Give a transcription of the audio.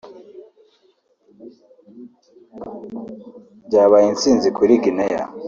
byabaye intsinzi kuri Guinea